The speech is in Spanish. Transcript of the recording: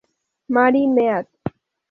Mary Mead.